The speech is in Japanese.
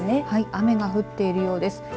雨が降っているようです。